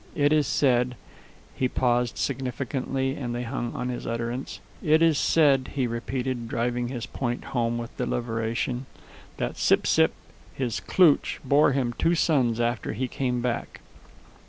It is said ..." He paused significantly, and they hung on his utterance. "It is said," he repeated, driving his point home with deliberation, "that Sipsip, his klooch, bore him two sons after he came back."